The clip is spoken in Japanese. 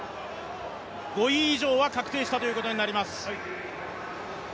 ５位以上は確定したということになります。